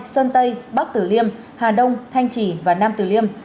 sơn tây bắc tử liêm hà đông thanh trì và nam tử liêm